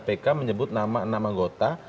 pk menyebut nama nama anggota